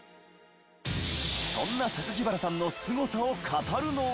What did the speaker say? そんな榊原さんのスゴさを語るのは。